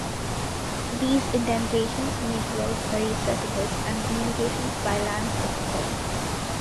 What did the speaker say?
These indentations make roads very circuitous and communications by land difficult.